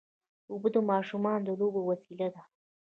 اوبه د ماشومانو د لوبو وسیله ده.